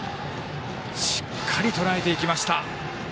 しっかりとらえていきました。